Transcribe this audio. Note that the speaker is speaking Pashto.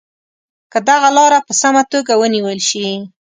که دغه لاره په سمه توګه ونیول شي.